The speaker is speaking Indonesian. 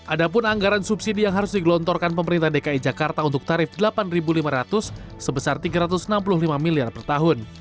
ada pun anggaran subsidi yang harus digelontorkan pemerintah dki jakarta untuk tarif rp delapan lima ratus sebesar rp tiga ratus enam puluh lima miliar per tahun